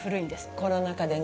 コロナ禍でね